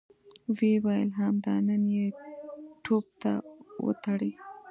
ويې ويل: همدا نن يې توپ ته وتړئ!